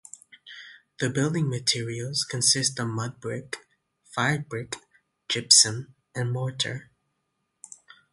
The building materials consist of mud-brick, fired brick, gypsum, and mortar.